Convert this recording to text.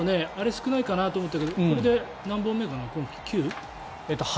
少ないかなと思ったけどこれで何本目かな今季？